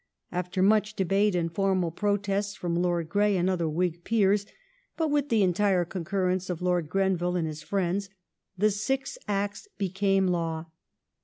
After much debate and formal protests ii'om Lord Grey and other Whig Peei*s, but with the entire concun ence of Lord Grenville and his friends, the " Six Acts " became law.